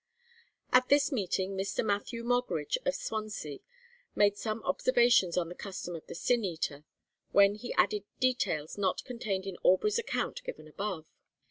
At this meeting Mr. Matthew Moggridge, of Swansea, made some observations on the custom of the Sin eater, when he added details not contained in Aubrey's account given above.